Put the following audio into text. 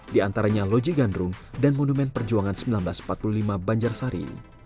di antaranya loji gandrung dan monumen perjuangan seribu sembilan ratus empat puluh lima banjarsari